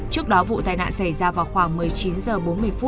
trước đó vụ tai nạn xảy ra vào khoảng một mươi chín h bốn mươi phút